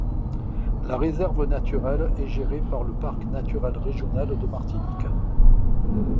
La réserve naturelle est gérée par le Parc naturel régional de Martinique.